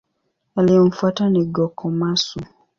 Aliyemfuata ni Go-Komatsu.